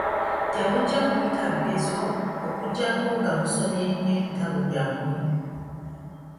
Temujja kuyita bigezo, okuggyako nga musomye nnyo ebitabo byammwe.